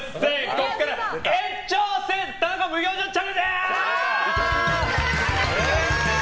ここから延長戦田中無表情チャレンジ！